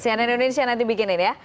si anand indonesia nanti bikinin ya